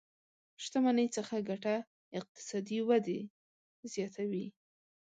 شتمنۍ څخه ګټه اقتصادي ودې زياته وي.